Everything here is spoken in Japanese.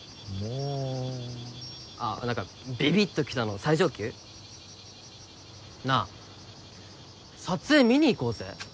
あぁ何か「ビビっと来た」の最上級？なぁ撮影見に行こうぜ。